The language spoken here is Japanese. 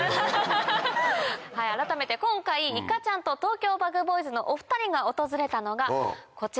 改めて今回いかちゃんとＴｏｋｙｏＢｕｇＢｏｙｓのお二人が訪れたのがこちら。